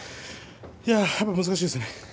いやあ、難しいですね。